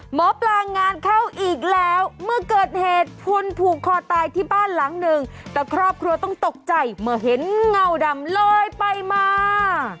หมอปลางานเข้าอีกแล้วเมื่อเกิดเหตุพลผูกคอตายที่บ้านหลังหนึ่งแต่ครอบครัวต้องตกใจเมื่อเห็นเงาดำเลยไปมา